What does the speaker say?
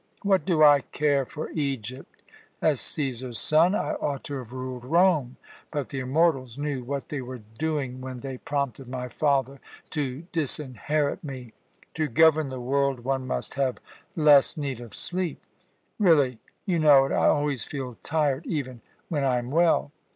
What do I care for Egypt? As Cæsar's son I ought to have ruled Rome; but the immortals knew what they were doing when they prompted my father to disinherit me. To govern the world one must have less need of sleep. Really you know it I always feel tired, even when I am well.